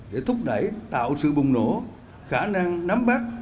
để thúc đẩy tạo sự bùng nổ khả năng nắm bắt